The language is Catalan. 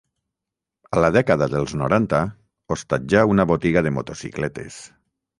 A la dècada dels noranta hostatjà una botiga de motocicletes.